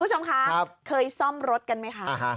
คุณผู้ชมคะเคยซ่อมรถกันไหมคะ